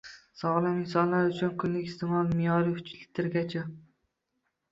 Sogʻlom insonlar uchun kunlik isteʼmol meʼyori uch litrgacha.